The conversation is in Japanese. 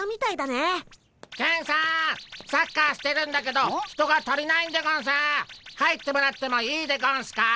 サッカーしてるんだけど人が足りないんでゴンス！入ってもらってもいいでゴンスか？